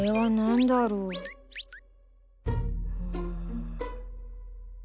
うん。